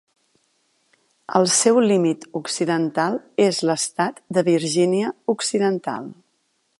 El seu límit occidental és l'Estat de Virgínia Occidental.